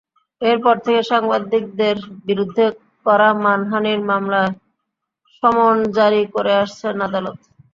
এরপর থেকে সাংবাদিকদের বিরুদ্ধে করা মানহানির মামলায় সমন জারি করে আসছেন আদালত।